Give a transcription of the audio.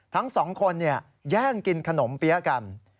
ทั้งสองคนแย่งกินขนมเปี๊ยะกัน